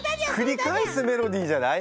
くり返すメロディーじゃない？